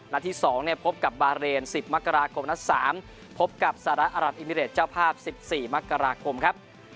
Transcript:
ที่๒พบกับบาเรน๑๐มกราคมนัด๓พบกับสหรัฐอรับอิมิเรตเจ้าภาพ๑๔มกราคมครับ